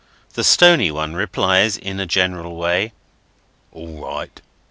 The Stony One replies, in a general way, "All right.